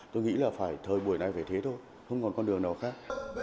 tôi nghĩ là phải thời buổi này phải thế thôi không còn con đường nào khác